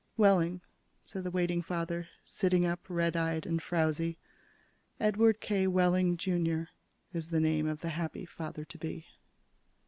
"Wehling," said the waiting father, sitting up, red eyed and frowzy. "Edward K. Wehling, Jr., is the name of the happy father to be."